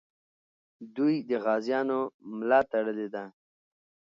دوی د غازیانو ملا تړلې ده.